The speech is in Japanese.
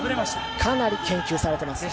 かなり研究されてますね。